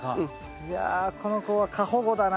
いやこの子は過保護だな。